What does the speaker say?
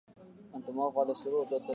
على شبابك يبكي